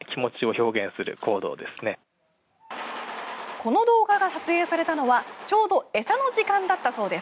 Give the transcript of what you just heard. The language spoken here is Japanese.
この動画が撮影されたのはちょうど餌の時間だったそうです。